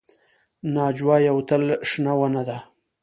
ناجو یوه تل شنه ونه ده